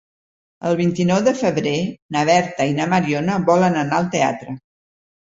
El vint-i-nou de febrer na Berta i na Mariona volen anar al teatre.